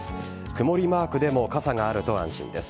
曇りマークでも傘があると安心です。